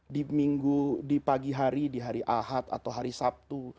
di minggu di pagi hari di hari ahad atau hari sabtu